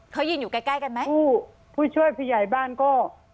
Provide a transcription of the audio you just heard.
เขายืนอยู่ใกล้ใกล้กันไหมผู้ช่วยผู้ใหญ่บ้านก็